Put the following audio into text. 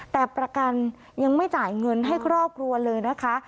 แต่ประกันยังไม่จ่ายเงินให้ครอบครัวเลยนะคะ